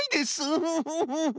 ウフフフ。